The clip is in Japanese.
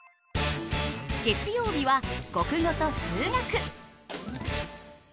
月曜日は国語と数学。